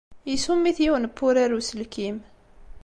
Isumm-it yiwen n wurar n uselkim.